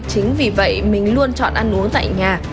chính vì vậy mình luôn chọn ăn uống tại nhà